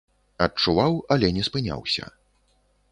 Адчуваў, але не спыняўся.